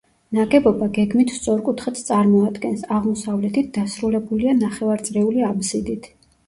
ნაგებობა გეგმით სწორკუთხედს წარმოადგენს, აღმოსავლეთით დასრულებულია ნახევარწრიული აბსიდით.